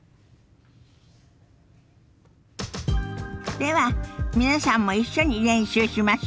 では皆さんも一緒に練習しましょ。